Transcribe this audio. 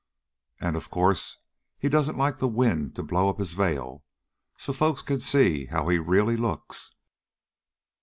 And, of course, he doesn't like the wind to blow up his veil so folks can see how he really looks."